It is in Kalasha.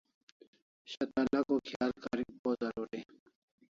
shatalako khial karik bo zaruri